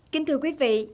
kính thưa quý vị